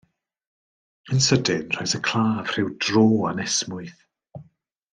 Yn sydyn, rhoes y claf ryw dro anesmwyth.